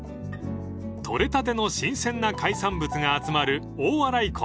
［取れたての新鮮な海産物が集まる］